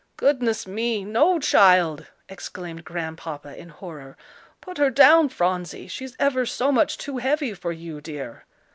"Goodness me! no, child!" exclaimed Grandpapa, in horror. "Put her down, Phronsie; she's ever so much too heavy for you, dear."